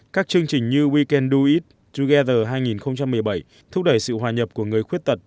các chương trình như we can do it together hai nghìn một mươi bảy thúc đẩy sự hòa nhập của người khuyết tật